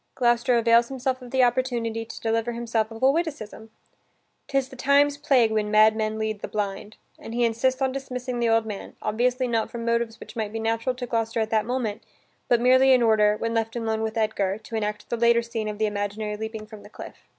Gloucester avails himself of the opportunity to deliver himself of a witticism: "'Tis the times' plague when madmen lead the blind," and he insists on dismissing the old man, obviously not from motives which might be natural to Gloucester at that moment, but merely in order, when left alone with Edgar, to enact the later scene of the imaginary leaping from the cliff.